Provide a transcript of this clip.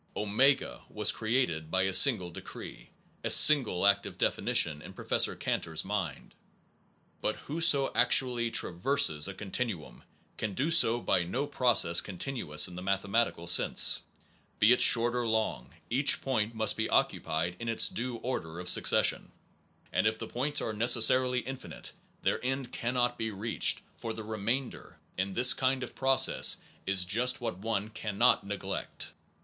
Omega was created by a single decree, a single act of definition in Prof. Can tor s mind. But whoso actually traverses a con tinuum, can do so by no process continuous in the mathematical sense. Be it short or long, each point must be occupied in its due order of succession; and if the points are necessarily 182 NOVELTY AND THE INFINITE infinite, their end cannot be reached, for the remainder, in this kind of process, is just what one cannot neglect.